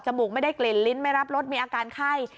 มูกไม่ได้กลิ่นลิ้นไม่รับรสมีอาการไข้